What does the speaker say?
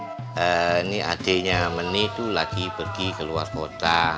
dan adiknya menik lagi pergi ke luar kota